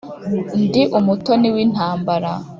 Ndi umutoni w’intambara,